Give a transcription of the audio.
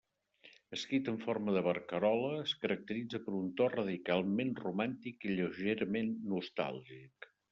Escrit en forma de barcarola, es caracteritza per un to radicalment romàntic i lleugerament nostàlgic.